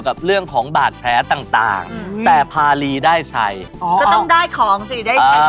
ก็ต้องได้ของสิได้เช่นชนะ